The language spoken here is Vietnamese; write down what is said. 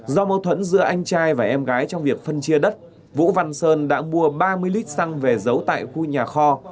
do mâu thuẫn giữa anh trai và em gái trong việc phân chia đất vũ văn sơn đã mua ba mươi lít xăng về giấu tại khu nhà kho